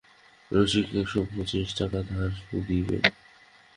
রসিক একশো পঁচিশ টাকা ধার শুধিবে!